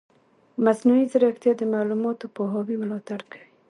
مصنوعي ځیرکتیا د معلوماتي پوهاوي ملاتړ کوي.